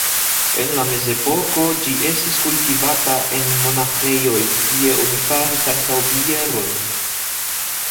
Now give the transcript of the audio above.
En la mezepoko ĝi estis kultivata en monaĥejoj, kie oni faris ankaŭ bieron.